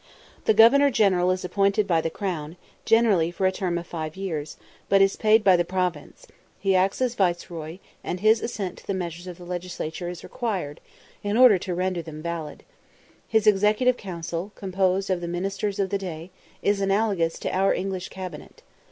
The Governor General is appointed by the Crown, generally for a term of five years, but is paid by the province; he acts as viceroy, and his assent to the measures of the Legislature is required, in order to render them valid. His executive council, composed of the ministers of the day, is analogous to our English Cabinet.